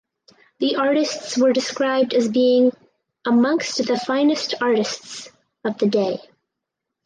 The artists were described as being "amongst the finest artists of the day".